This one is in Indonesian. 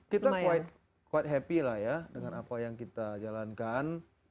kita quid happy lah ya dengan apa yang kita jalankan